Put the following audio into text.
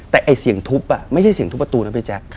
แต่ไอ้เสียงทุบไม่ใช่เสียงทุบประตูนะพี่แจ๊ค